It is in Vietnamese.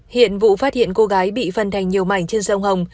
hiện vụ phát hiện cô gái bị phân thành nhiều mảnh trên sông hồng